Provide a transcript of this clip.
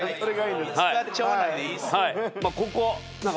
ここ。